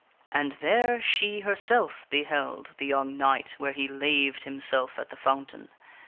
And there she herself beheld the young knight where he laved himself at the fountain.